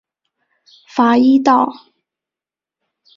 法伊岛。